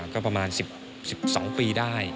ก็ประมาณ๑๒ปีได้